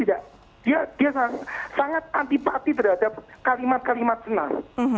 dia sangat antipati terhadap kalimat kalimat senam